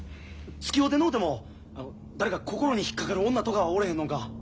つきおうてのうても誰か心に引っ掛かる女とかはおれへんのんか？